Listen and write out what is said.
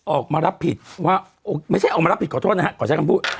ออกมารับผิดว่าไม่ใช่ออกมารับผิดขอโทษนะฮะขอใช้คำพูด